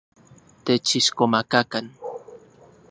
Techixkomakakan.